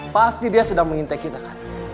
pasti dia sedang mengintai kita kan